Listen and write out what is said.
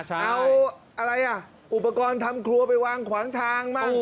เอาอะไรอ่ะอุปกรณ์ทำครัวไปวางขวางทางบ้าง